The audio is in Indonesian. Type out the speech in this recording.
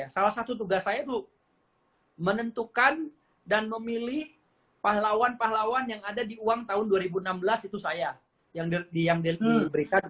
salah satu tugas saya itu menentukan dan memilih pahlawan pahlawan yang ada di uang tahun dua ribu enam belas itu saya yang diberikan